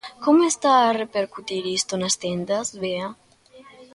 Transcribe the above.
Como está a repercutir isto nas tendas, Bea?